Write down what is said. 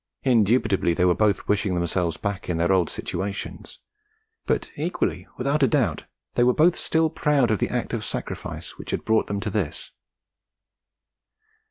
Indubitably they were both wishing themselves back in their old situations; but equally without a doubt they were both still proud of the act of sacrifice which had brought them to this.